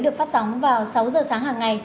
được phát sóng vào sáu h sáng hàng ngày